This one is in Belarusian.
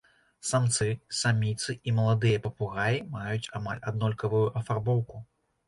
Самцы, саміцы і маладыя папугаі маюць амаль аднолькавую афарбоўку.